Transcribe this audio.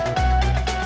saya juga ngantuk